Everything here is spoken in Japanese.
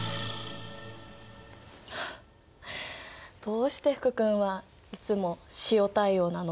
はあどうして福くんはいつも塩対応なの？